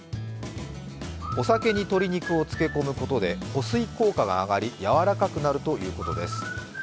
お酒に鶏肉を漬け込むことで、保水効果が上がり、やわらかくなるということです。